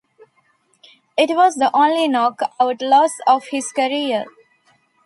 It was the only knock out loss of his career.